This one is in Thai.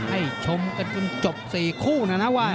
ให้ชมกันจนจบ๔คู่นะนะว่า